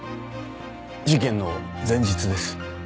事件の前日です。